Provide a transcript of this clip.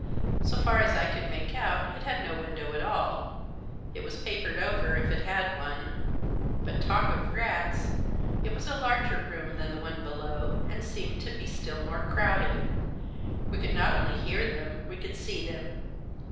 So far as I could make out it had no window at all ; it was papered over if it had one. But talk of rats ! It was a larger room than the one below, and seemed to be still more crowded. We could not only hear them, we could see them.